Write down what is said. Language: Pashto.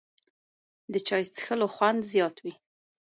د چای څښلو خوند زیات وي